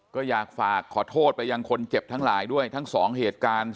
ก็อยากฝากขอโทษไปยังคนเจ็บทั้งหลายด้วยทั้งสองเหตุการณ์